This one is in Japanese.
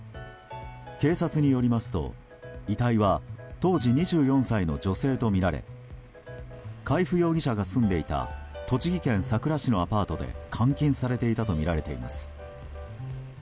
警察によりますと遺体は当時２４歳の女性とみられ海部容疑者が住んでいた栃木県さくら市のアパートで監禁されていたとみられています。